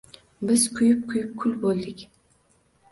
Biz kuyib-kuyib... kul bo‘ldik!